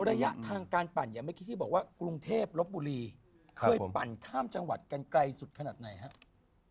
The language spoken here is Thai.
ระยะทางการปั่นอย่างเมื่อกี้ที่บอกว่ากรุงเทพลบบุรีเคยปั่นข้ามจังหวัดกันไกลสุดขนาดไหนครับ